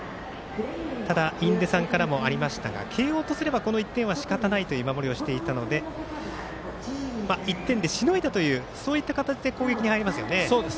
ただ印出さんからもありましたが慶応とすればこの１点はしかたないという守りをしていたので１点でしのいだという形で攻撃に入れますよね。